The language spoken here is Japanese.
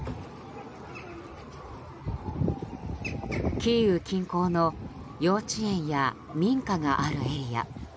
キーウ近郊の幼稚園や民家があるエリア。